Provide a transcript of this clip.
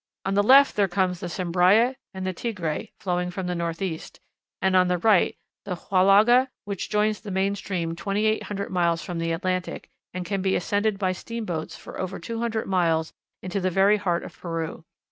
On the left there comes the Chambyra and the Tigré, flowing from the northeast; and on the right the Huallaga, which joins the main stream twenty eight hundred miles from the Atlantic, and can be ascended by steamboats for over two hundred miles into the very heart of Peru.